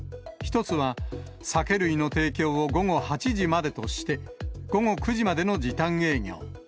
１つは、酒類の提供を午後８時までとして、午後９時までの時短営業。